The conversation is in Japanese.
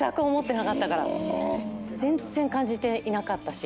全然感じていなかったし。